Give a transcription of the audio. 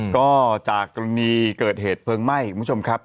ก็จากกรณีเกิดเหตุเพลิงไหม้คุณผู้ชมครับ